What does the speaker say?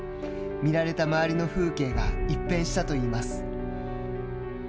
見慣れた周りの風景が一変したといいます。